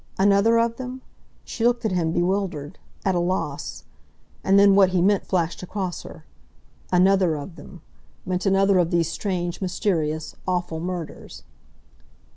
"Another of them?" She looked at him, bewildered—at a loss. And then what he meant flashed across her—"another of them" meant another of these strange, mysterious, awful murders.